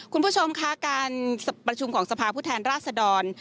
คุณผู้ชมคะการประชุมของสภาพผู้แทนราชดร